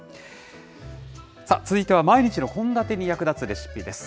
さあ、続いては毎日の献立に役立つレシピです。